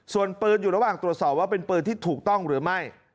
ส่วนปืนอยู่ระหว่างตรวจสอบว่าเป็นปืนที่ถูกต้องหรือไม่